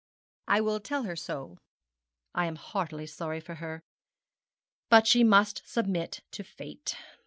'I will tell her so. I am heartily sorry for her. But she must submit to fate.